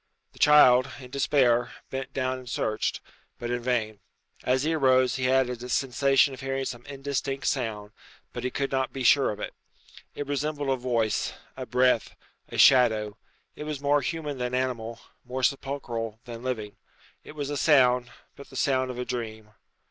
The child, in despair, bent down and searched; but in vain. As he arose he had a sensation of hearing some indistinct sound, but he could not be sure of it. It resembled a voice, a breath, a shadow. It was more human than animal; more sepulchral than living. It was a sound, but the sound of a dream.